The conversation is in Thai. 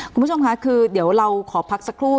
คุณผู้ชมค่ะคือเดี๋ยวเราขอพักสักครู่